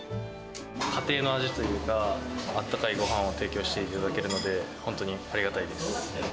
家庭の味というか、あったかいごはんを提供していただけるので、本当にありがたいです。